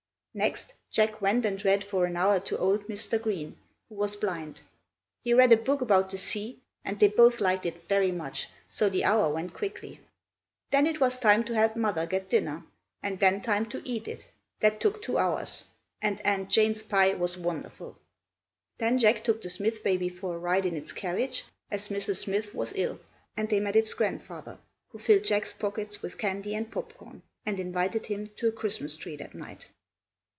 Next Jack went and read for an hour to old Mr. Green, who was blind. He read a book about the sea, and they both liked it very much, so the hour went quickly. Then it was time to help Mother get dinner, and then time to eat it; that took two hours, and Aunt Jane's pie was wonderful. Then Jack took the Smith baby for a ride in its carriage, as Mrs. Smith was ill, and they met its grandfather, who filled Jack's pockets with candy and popcorn and invited him to a Christmas Tree that night.